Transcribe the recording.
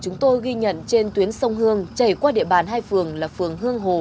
những bức ghi nhận trên tuyến sông hương chảy qua địa bàn hai phường là phường hương hồ